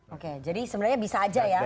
oke jadi sebenarnya bisa aja ya